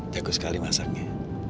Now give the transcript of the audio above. cakus sekali masaknya